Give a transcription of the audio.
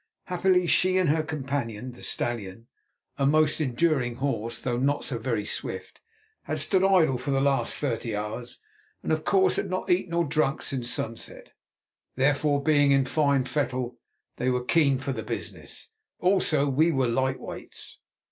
Happily she and her companion, the stallion—a most enduring horse, though not so very swift—had stood idle for the last thirty hours, and, of course, had not eaten or drunk since sunset. Therefore being in fine fettle, they were keen for the business; also we were light weights.